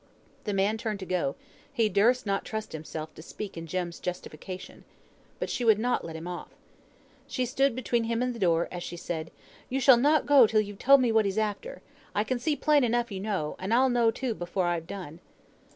The man turned to go; he durst not trust himself to speak in Jem's justification. But she would not let him off. She stood between him and the door, as she said, "Yo shall not go, till yo've told me what he's after. I can see plain enough you know, and I'll know too, before I've done."